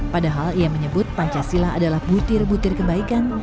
padahal ia menyebut pancasila adalah butir butir kebaikan